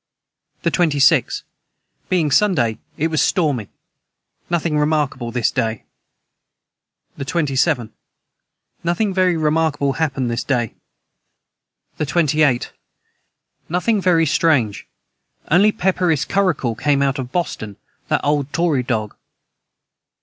] the 26. Being Sunday it was Stormy Nothing remarkable this day. the 27. Nothing very remarkable hapned this day. the 28. Nothing very Strange onely Peperiss curacle came out of Boston that old tory Dog.